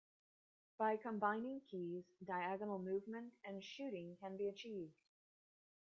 By combining keys, diagonal movement and shooting can be achieved.